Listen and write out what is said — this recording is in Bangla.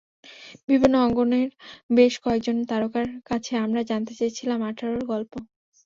বিভিন্ন অঙ্গনের বেশ কয়েকজন তারকার কাছে আমরা জানতে চেয়েছিলাম আঠারোর গল্প।